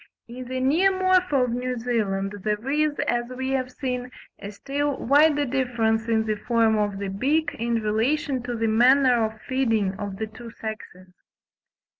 In the Neomorpha of New Zealand, there is, as we have seen, a still wider difference in the form of the beak in relation to the manner of feeding of the two sexes.